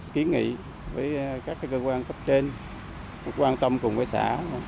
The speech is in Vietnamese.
kiến nghị với các cơ quan cấp trên quan tâm cùng với xã